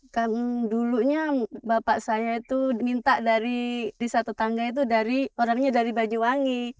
kan dulunya bapak saya itu minta dari di satu tangga itu dari orangnya dari banyuwangi